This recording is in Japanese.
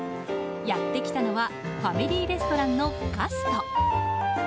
やってきたのはファミリーレストランのガスト。